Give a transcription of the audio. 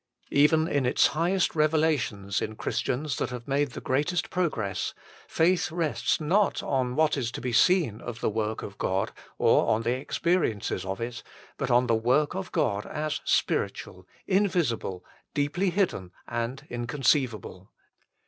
Even in its highest revelations in Christians that have made the greatest progress, faith rests not on what is to be seen of the work of God or on the experiences of it, but on the work of God as spiritual, invisible, deeply hidden, and incon ceivable.